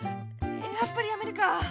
やっぱりやめるか。